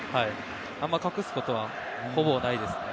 あんまり隠すことはほぼないですね。